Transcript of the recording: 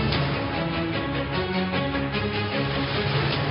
ก็ได้มีการอภิปรายในภาคของท่านประธานที่กรกครับ